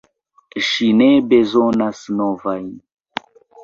Ŝi ne bezonas novajn!